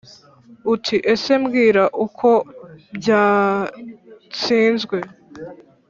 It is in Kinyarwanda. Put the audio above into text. Uti: ese mbwira uko bwatsinzwe ?